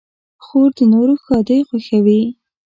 خور د نورو ښادۍ خوښوي.